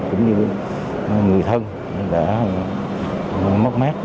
cũng như người thân đã mất mát